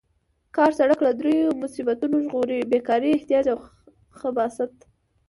کار سړی له دریو مصیبتونو ژغوري: بې کارۍ، احتیاج او خباثت.